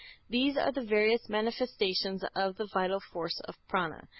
These are the various manifestations of the vital force or Prâna.